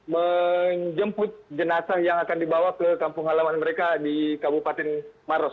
menjemput jenazah yang akan dibawa ke kampung halaman mereka di kabupaten maros